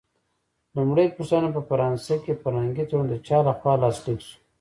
لومړۍ پوښتنه: په فرانسه کې فرهنګي تړون د چا له خوا لاسلیک شو؟